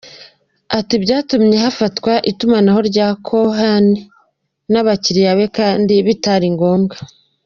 Ati “Byatumye hafatwa itumanaho rya Cohen n’abakiliya be kandi bitari ngombwa.